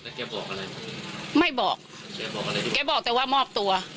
แล้วแกบอกอะไรไม่บอกแกบอกแต่ว่ามอบตัว